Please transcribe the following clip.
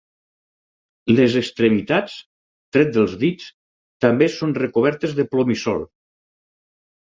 Les extremitats, tret dels dits, també són recobertes de plomissol.